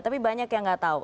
tapi banyak yang nggak tahu